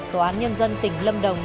tòa nhân dân tỉnh lâm đồng